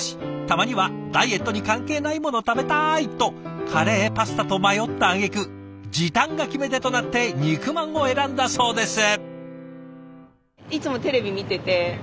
たまにはダイエットに関係ないもの食べたいとカレーパスタと迷ったあげく時短が決め手となって肉まんを選んだそうです。